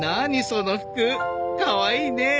その服かわいいねえ。